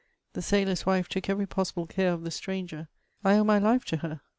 The sailor's wife took eyeiy possible care of the stranger ; I owe my life to her.